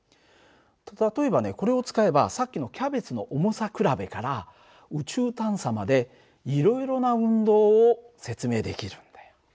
例えばねこれを使えばさっきのキャベツの重さ比べから宇宙探査までいろいろな運動を説明できるんだよ。